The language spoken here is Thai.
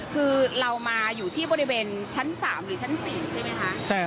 คือเรามาอยู่ที่บริเวณชั้น๓หรือชั้น๔ใช่ไหมคะ